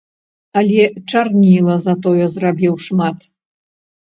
Але чарніла затое зрабіў шмат.